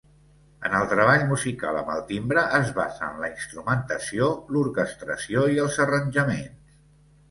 En el treball musical amb el timbre es basen la instrumentació, l'orquestració i els arranjaments.